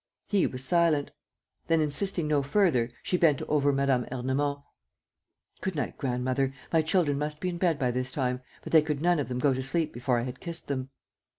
He was silent. Then, insisting no further, she bent over Mme. Ernemont: "Good night, grandmother. My children must be in bed by this time, but they could none of them go to sleep before I had kissed them."